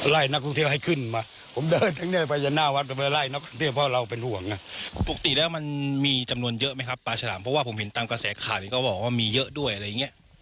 ไหล่นักท่องเที่ยวไว้ขึ้นมาผมเดินถึงนี่ไปจากหน้าวันมาไล่พอเราเป็นห่วงนะ